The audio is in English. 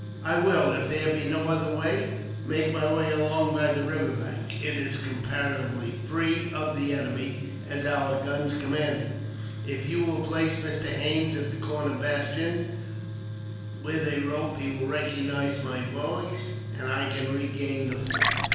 "I will, if there be no other way, make my way along by the river bank. It is comparatively free of the enemy, as our guns command it. If you will place Mr. Haines at the corner bastion, with a rope, he will recognize my voice, and I can regain the fort."